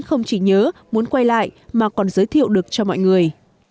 không chỉ nhớ muốn quay lại mà còn giới thiệu được cho mọi người